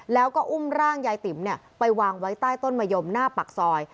แล้วก็อุ้มร่างยายติ๋มไปวางไว้ใต้ต้นมะยมหน้าปากซอย